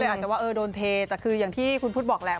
อาจจะว่าโดนเทแต่คืออย่างที่คุณพุทธบอกแหละ